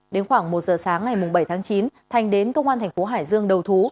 đến khoảng một giờ sáng ngày bảy tháng chín thành đến công an thành phố hải dương đầu thú